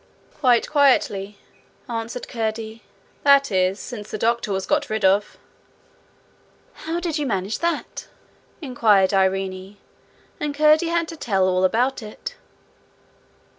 'Quite quietly,' answered Curdie; 'that is, since the doctor was got rid of.' 'How did you manage that?' inquired Irene; and Curdie had to tell all about it.